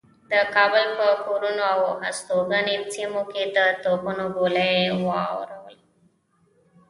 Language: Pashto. د کابل پر کورونو او هستوګنو سیمو د توپونو ګولۍ و اوروي.